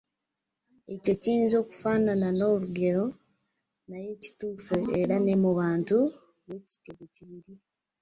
Ekyo kiyinza okufaanana ng’olugero, naye kituufu era ne mu bantu bwe kityo bwe kiri.